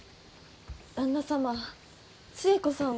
旦那様寿恵子さんは。